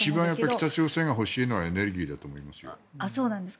一番北朝鮮が欲しいのはエネルギーだと思います。